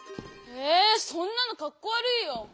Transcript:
えっそんなのかっこわるいよ。